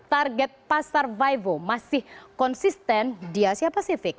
target pasar vivo masih konsisten di asia pasifik